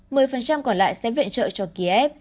mười phần trăm còn lại sẽ viện trợ cho kiev